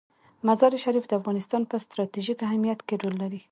مزارشریف د افغانستان په ستراتیژیک اهمیت کې رول لري.